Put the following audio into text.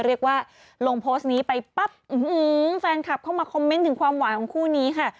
เรียกว่าลงโพสต์นี้ไปปั๊บแฟนคลับเข้ามาคอมเมนต์ถึงความหวานของคู่นี้ค่ะ